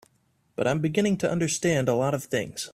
But I'm beginning to understand a lot of things.